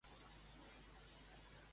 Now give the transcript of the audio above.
Vindrà amb nosaltres al cel?